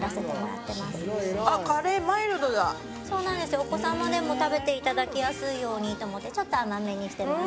お子さまでも食べていただきやすいようにと思ってちょっと甘めにしてます。